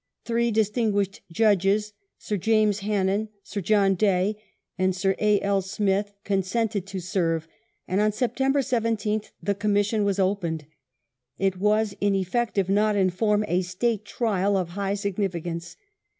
Three distinguished Judges, Sir James Hannen, Sir John Day, and Sir A, L. Smith, consented to serve, and on September 17th the Commission was opened. It was in effect, if not in form, a State trial of high signi ficance.